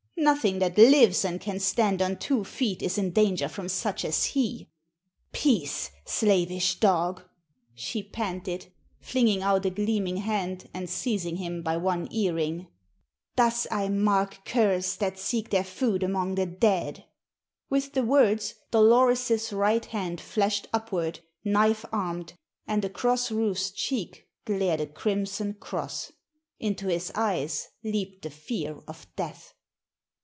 "Nothing that lives and can stand on two feet is in danger from such as he. Peace, slavish dog!" she panted, flinging out a gleaming hand and seizing him by one earring. "Thus I mark curs that seek their food among the dead!" With the words Dolores's right hand flashed upward, knife armed, and across Rufe's cheek glared a crimson cross; into his eyes leaped the fear of death.